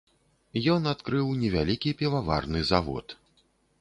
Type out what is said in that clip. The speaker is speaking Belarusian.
Ён адкрыў невялікі піваварны завод.